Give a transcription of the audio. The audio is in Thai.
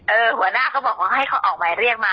หัวหน้าเขาบอกว่าให้เขาออกหมายเรียกมา